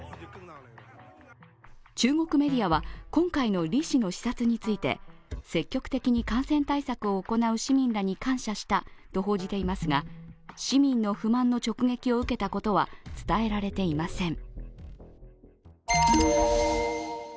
中国メディアは今回の李氏の視察について、積極的に感染対策を行う市民らに感謝したと報じていますが市民の不満の直撃を受けたことは伝えられていません。